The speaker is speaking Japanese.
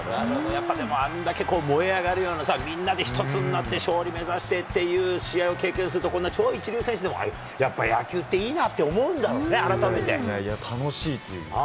やっぱりあれだけ燃え上がるようなみんなで一つになって勝利目指してっていう試合を経験すると、こんな超一流選手でも、やっぱり野球っていいなって思ういや、楽しいと。